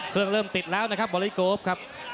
เครื่องเริ่มติดแล้วนะครับบอดี้โก๊คครับ